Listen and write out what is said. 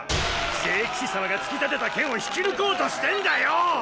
聖騎士様が突き立てた剣を引き抜こうとしてんだよ！